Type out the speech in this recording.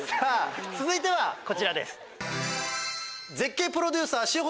続いてはこちらです。